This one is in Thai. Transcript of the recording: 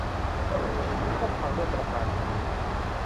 ก็พังด้วยประการฉะนี้